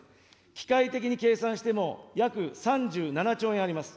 機械的に計算しても約３７兆円あります。